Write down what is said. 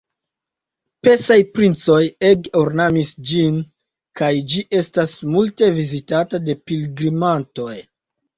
Persaj princoj ege ornamis ĝin, kaj ĝi estas multe vizitata de pilgrimantoj.